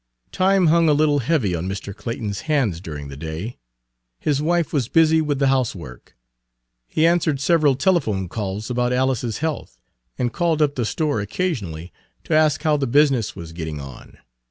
Time hung a little heavy on Mr. Clayton's hands during the day. His wife was busy with the housework. He answered several telephone calls about Alice's health, and called up the store occasionally to ask how the business was getting on.